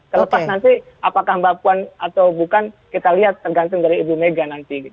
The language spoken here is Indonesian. terlepas nanti apakah mbak puan atau bukan kita lihat tergantung dari ibu mega nanti